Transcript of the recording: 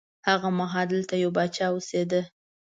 هغه مهال دلته یو پاچا اوسېده.